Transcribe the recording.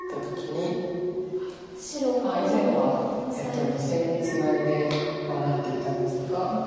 以前は２線にツナいで守っていたんですが。